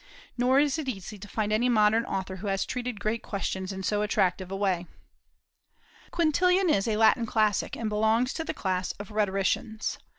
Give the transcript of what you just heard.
Nor is it easy to find any modern author who has treated great questions in so attractive a way. Quintilian is a Latin classic, and belongs to the class of rhetoricians.